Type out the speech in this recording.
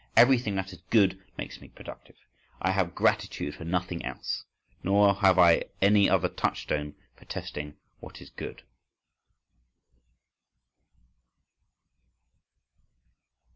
Everything that is good makes me productive. I have gratitude for nothing else, nor have I any other touchstone for testing what is good.